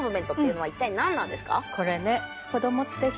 これね。